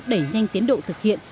đẩy nhanh tiến độ thực hiện